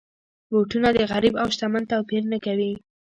بوټونه د غریب او شتمن توپیر نه کوي.